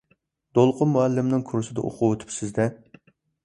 دولقۇن مۇئەللىمنىڭ كۇرسىدا ئوقۇۋېتىپسىز-دە.